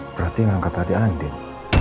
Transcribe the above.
berarti yang kata tadi andin